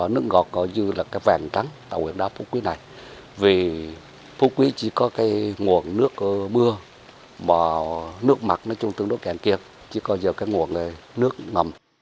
nước ngọt gọi như là cái vàng trắng tại huyện đảo phú quý này vì phú quý chỉ có cái nguồn nước mưa mà nước mặt nó chung tương đối kèm kia chỉ có nhiều cái nguồn nước mầm